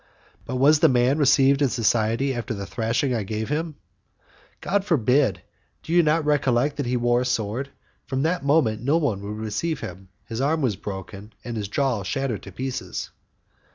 "But was the man received in society after the thrashing I gave him?" "God forbid! Do you not recollect that he wore a sword? From that moment no one would receive him. His arm was broken and his jaw shattered to pieces.